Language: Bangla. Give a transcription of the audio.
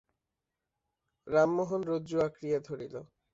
রামমোহন রজ্জু আঁকড়িয়া ধরিল।